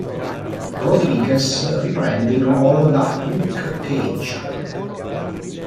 Rodriguez riprende il ruolo da "Luke Cage".